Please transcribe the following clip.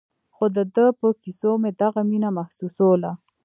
خو د ده په کيسو مې دغه مينه محسوسوله.